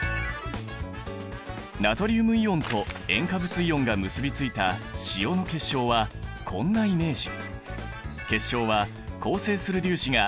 ナトリウムイオンと塩化物イオンが結びついた塩の結晶はこんなイメージ。